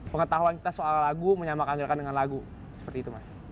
pengetahuan kita soal lagu menyamakan gerakan dengan lagu seperti itu mas